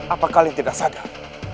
apakah kalian tidak sadar